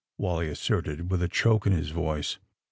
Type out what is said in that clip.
Wally asserted, with a choke in his voice.